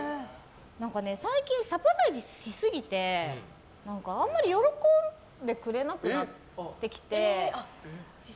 最近、サプライズしすぎてあんまり喜んでくれなくなってきて。